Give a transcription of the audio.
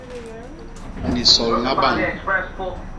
Ni solna bañ.